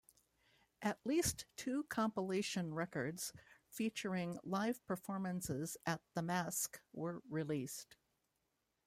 At least two compilation records featuring live performances at the Masque were released.